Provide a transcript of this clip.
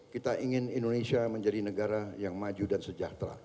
kita ingin indonesia menjadi negara yang maju dan sejahtera